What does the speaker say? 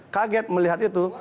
kaget melihat itu